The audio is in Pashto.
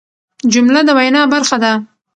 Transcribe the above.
جمله د وینا برخه ده.